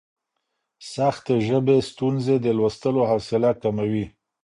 سختې ژبې ستونزې د لوستلو حوصله کموي.